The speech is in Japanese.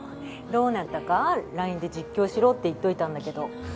どうなったかＬＩＮＥで実況しろって言っといたんだけど。